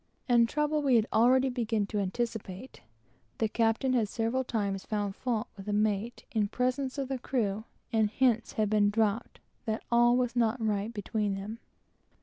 And trouble we had already begun to anticipate. The captain had several times found fault with the mate, in presence of the crew; and hints had been dropped that all was not right between them.